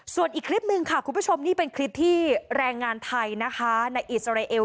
ส่วนอีกคลิปหนึ่งค่ะคุณผู้ชมนี่เป็นคลิปที่แรงงานไทยนะคะในอิสราเอล